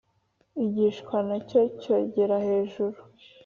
igishwi na cyo cyogera hejuru.